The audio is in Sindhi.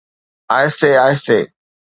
آهستي آهستي.